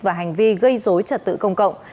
và hành vi gây dối trật tự công cộng